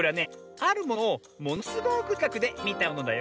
あるものをものすごくちかくでみたものだよ。